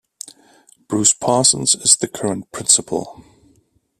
Bruce Parsons is the current principal.